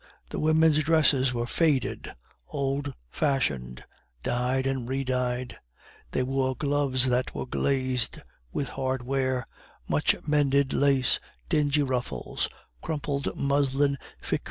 The women's dresses were faded, old fashioned, dyed and re dyed; they wore gloves that were glazed with hard wear, much mended lace, dingy ruffles, crumpled muslin fichus.